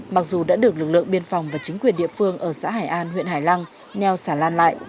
mặc dù đã được lực lượng biên phòng và chính quyền địa phương ở xã hải an huyện hải lăng neo xả lan lại